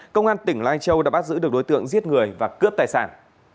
công an tỉnh lai châu đã bắt giữ được đối tượng giết người và cướp tài sản